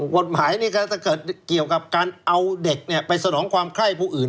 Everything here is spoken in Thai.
กฎหมายนี่ก็ถ้าเกิดเกี่ยวกับการเอาเด็กไปสนองความไข้ผู้อื่น